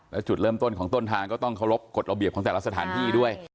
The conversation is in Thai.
แล้วจุดเริ่มต้นของต้นทางก็ต้องเคารพกฎระเบียบของแต่ละสถานที่ด้วย